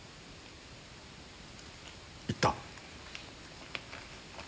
行った！